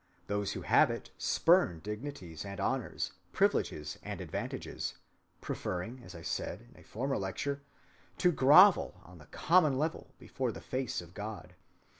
Those who have it spurn dignities and honors, privileges and advantages, preferring, as I said in a former lecture, to grovel on the common level before the face of God.